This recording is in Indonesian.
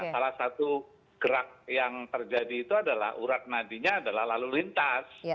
salah satu gerak yang terjadi itu adalah urat nadinya adalah lalu lintas